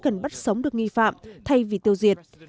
cần bắt sống được nghi phạm thay vì tiêu diệt